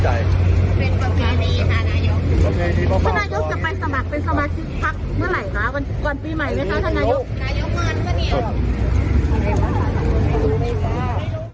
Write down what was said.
ฉายารัฐบาลนักกากควรดีท่านนายกควรดียังไงคะ